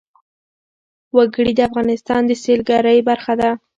وګړي د افغانستان د سیلګرۍ برخه ده.